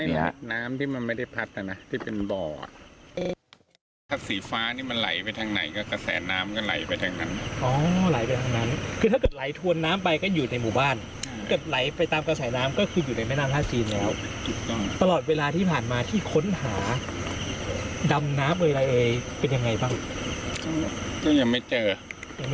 คุณภูริพัฒน์บุญนินติดตามดูการปลวยสารสีฟ้าตั้งแต่ช่วงเช้ามืดนี้เลยนะ